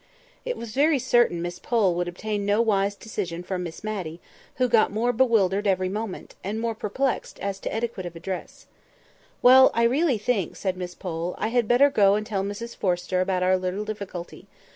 It was very certain Miss Pole would obtain no wise decision from Miss Matty, who got more bewildered every moment, and more perplexed as to etiquettes of address. "Well, I really think," said Miss Pole, "I had better just go and tell Mrs Forrester about our little difficulty.